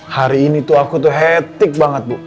hari ini aku tuh hektik banget bu